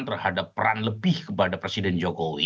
terhadap peran lebih kepada presiden jokowi